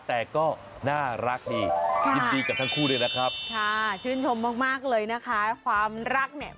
ทำให้สร้างสรรค์สิ่งดีนะคะ